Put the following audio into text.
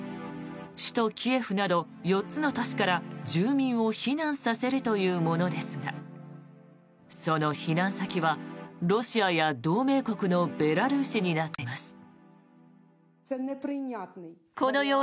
首都キエフなど４つの都市から住民を避難させるというものですがその避難先はロシアや同盟国のベラルーシになっています。